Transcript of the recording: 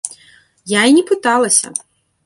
Я і не пыталася.